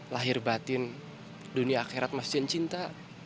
lahir batin dunia akhirat mas zain cinta